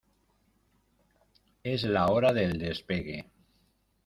Es la hora del despegue.